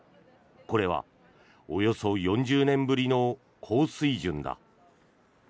これはおよそ４０年ぶりの高水準だ。